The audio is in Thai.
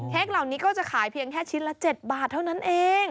เหล่านี้ก็จะขายเพียงแค่ชิ้นละ๗บาทเท่านั้นเอง